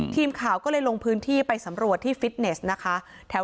ทีมข่าวก็เลยลงพื้นที่ไปสำรวจที่ฟิตเนสนะคะ